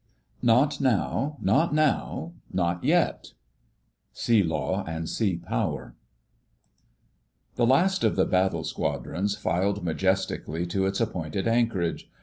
* "Not now. Not now. Not yet." —Sea Law and Sea Power. The last of the Battle Squadrons filed majestically to its appointed anchorage.